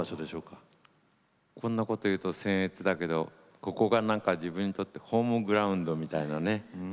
こんなこと言うとせん越だけれどここが何か自分にとってホームグラウンドみたいなね